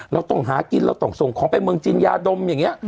เราต้องหากินเราต้องส่งของไปเมืองจีนยาดมอย่างนี้